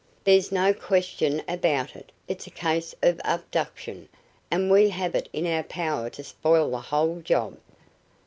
"There's no question about it! It's a case of abduction, and we have it in our power to spoil the whole job.